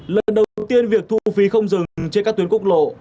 lần đầu tiên việc thu phí không dừng trên các tuyến quốc lộ